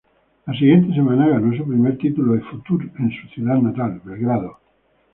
La siguiente semana ganó su primer título de Future en su ciudad natal, Belgrado.